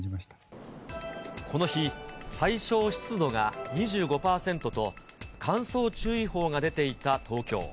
この日、最小湿度が２５％と、乾燥注意報が出ていた東京。